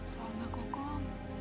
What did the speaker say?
soal mbak kokom